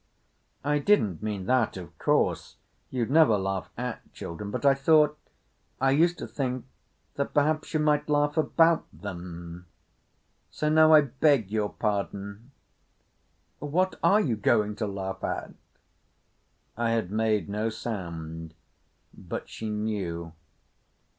"I didn't mean that of course. You'd never laugh at children, but I thought—I used to think—that perhaps you might laugh about them. So now I beg your pardon…. What are you going to laugh at?" I had made no sound, but she knew.